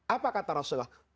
apa kata rasulullah